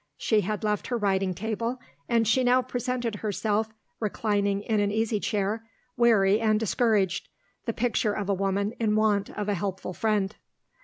She had left her writing table; and she now presented herself, reclining in an easy chair, weary and discouraged the picture of a woman in want of a helpful friend.